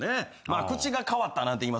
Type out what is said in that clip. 口が変わったなんて言いますけど。